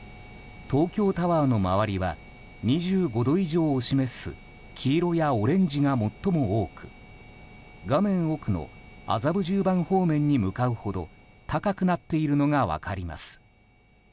東京タワーの周りは２５度以上を示す黄色やオレンジが最も多く画面奥の麻布十番方面に向かうほど高くなっているのが分かります。